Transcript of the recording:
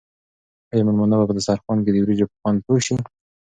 آیا مېلمانه به په دسترخوان کې د وریجو په خوند پوه شي؟